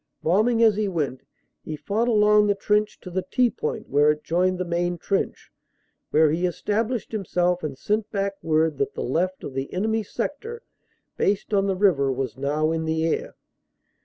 Bombing as he went, he fought along the trench to the T point where it joined the main trench, where he established himself and sent back word that the left of the enemy sector based on the river was now in the air.